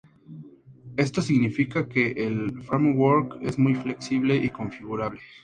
Esto significa que el framework es muy flexible y configurable.